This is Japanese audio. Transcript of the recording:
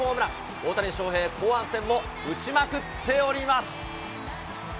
大谷翔平、後半戦も打ちまくっております。